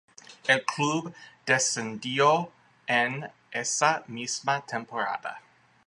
El club descendió en esa misma temporada.